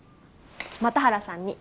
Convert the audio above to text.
又原さんに。